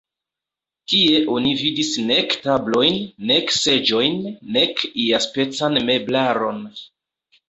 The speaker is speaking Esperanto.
Tie oni vidis nek tablojn, nek seĝojn, nek iaspecan meblaron.